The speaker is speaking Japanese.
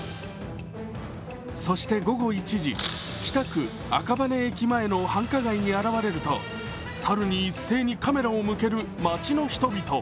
そして午後１時、北区赤羽駅前の繁華街に現れると、猿に一斉にカメラを向ける街の人々。